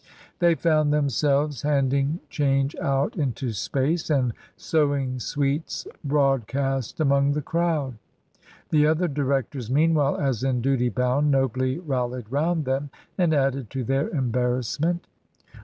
They found themselves handing change out into space, and sowing sweets broadcast among the crowd. The other directors meanwhile, as in duty bound, nobly rallied round them, and added to their embarrassment.